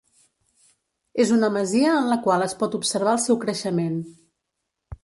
És una masia en la qual es pot observar el seu creixement.